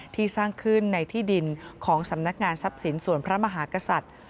สร้างขึ้นในที่ดินของสำนักงานทรัพย์สินส่วนพระมหากษัตริย์